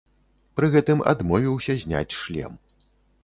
Пры гэтым адмовіўся зняць шлем.